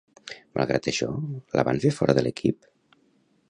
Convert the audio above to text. Malgrat això, la van fer fora de l'equip?